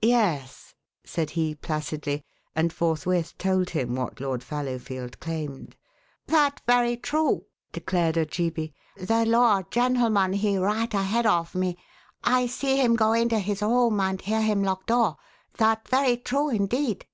"Yes," said he placidly; and forthwith told him what Lord Fallowfield claimed. "That very true," declared Ojeebi. "The lord gentleman he right ahead of me. I see him go into his room and hear him lock door. That very true indeed."